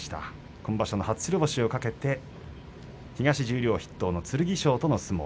今場所の初白星を懸けて東十両筆頭の剣翔との相撲。